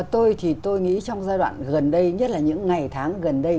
tôi thì tôi nghĩ trong giai đoạn gần đây nhất là những ngày tháng gần đây